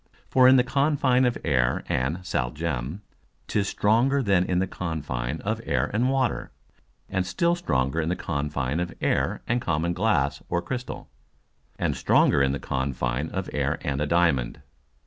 For in the Confine of Air and Sal gem 'tis stronger than in the Confine of Air and Water, and still stronger in the Confine of Air and common Glass or Crystal, and stronger in the Confine of Air and a Diamond.